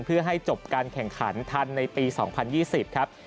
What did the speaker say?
เพื่อให้จบการแข่งขันทันในปี๒๐๒๐ครับ